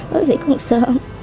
bởi vì con sợ